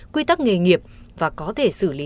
quy tắc nghề nghiệp và có thể xử lý